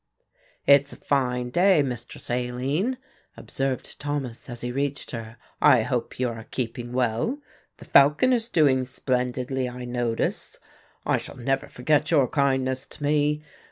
"It's a fine day, Mistress Aline," observed Thomas as he reached her. "I hope you are keeping well. The falcon is doing splendidly, I notice. I shall never forget your kindness to me.